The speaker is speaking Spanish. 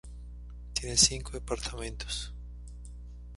Tiene cinco departamentos.